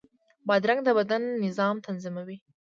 بادرنګ د بدن نظام تنظیموي.